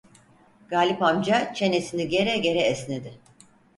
Galip amca çenesini gere gere esnedi.